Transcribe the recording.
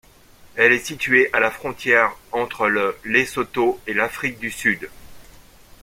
Elle est située à la frontière entre le Lesotho et l'Afrique du Sud.